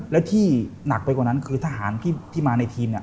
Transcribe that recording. และที่หนักไปกว่านั้นคือทหารที่มาในทีม